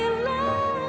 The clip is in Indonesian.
namun ku menyerahimu